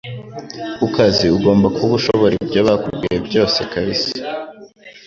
Ku kazi ugomba kuba ushobora ibyo bakubwiye byose kbs